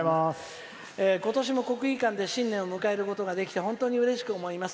今年も国技館で新年を迎えることができて本当にうれしく思います。